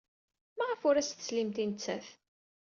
Maɣef ur as-teslimt i netta?